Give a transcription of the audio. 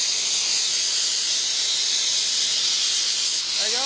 はいよ。